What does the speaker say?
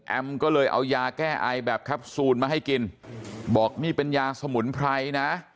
ก็เลยเอายาแก้ไอแบบแคปซูลมาให้กินบอกนี่เป็นยาสมุนไพรนะ